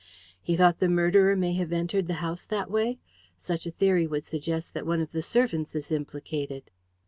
"He thought the murderer may have entered the house that way? Such a theory would suggest that one of the servants is implicated."